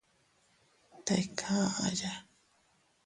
Tika aʼaya.